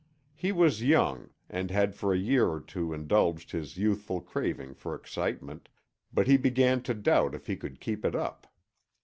He was young, and had for a year or two indulged his youthful craving for excitement, but he began to doubt if he could keep it up.